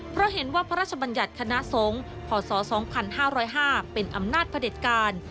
เพราะเห็นว่าพระราชบัญญัติคณะสงฆ์พศ๒๕๐๕เป็นอำนาจพระเด็จการ